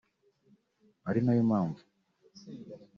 ari nayo mpamvu